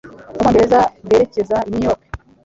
mu Bwongereza bwerekeza I New York